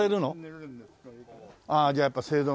ああじゃあやっぱ青銅